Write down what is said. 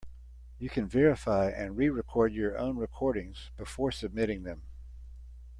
You can verify and re-record your own recordings before submitting them.